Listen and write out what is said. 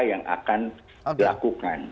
yang akan dilakukan